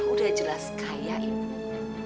udah jelas kaya itu